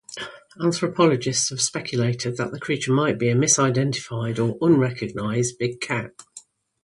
Anthropologists have speculated that the creature might be a misidentified or unrecognized big cat.